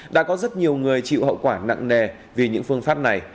đã có rất nhiều người chịu hậu quả nặng nề vì những phương pháp này